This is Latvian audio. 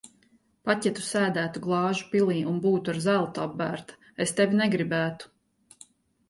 Pat ja Tu sēdētu glāžu pilī un būtu ar zeltu apbērta, es tevi negribētu.